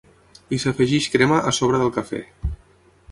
I s'afegeix crema a sobre del cafè.